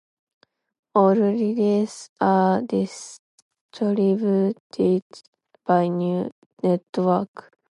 All releases are distributed by Network.